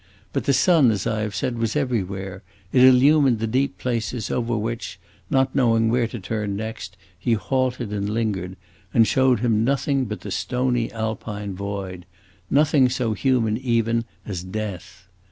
But the sun, as I have said, was everywhere; it illumined the deep places over which, not knowing where to turn next, he halted and lingered, and showed him nothing but the stony Alpine void nothing so human even as death.